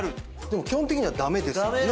でも基本的には駄目ですもんね。